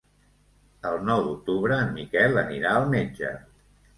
El nou d'octubre en Miquel anirà al metge.